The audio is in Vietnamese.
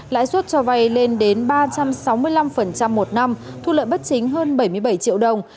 lãi suất cho vay lên đến ba trăm sáu mươi năm một năm thu lợi bất chính hơn bảy mươi bảy triệu đồng